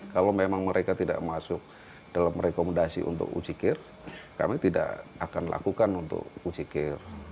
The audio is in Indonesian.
kalau memang mereka tidak masuk dalam rekomendasi untuk ujikir kami tidak akan lakukan untuk ujikir